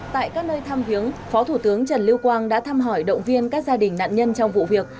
tại các nơi thăm viếng phó thủ tướng trần lưu quang đã thăm hỏi động viên các gia đình nạn nhân trong vụ việc